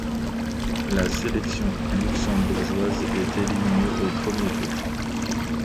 La sélection luxembourgeoise est éliminée au premier tour.